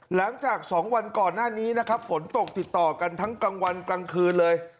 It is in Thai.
หลังจาก๒วันก่อนหน้านี้นะครับฝนตกติดต่อกันทั้งกลางวันกลางคืนเลย